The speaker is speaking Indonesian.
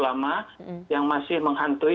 lama yang masih menghantui